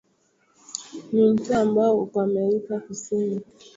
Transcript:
Ni mto ambao uko Amerika Kusini na